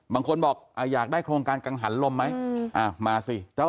บางคนบอกอยากได้โครงการกังหันลมไหมมาสิ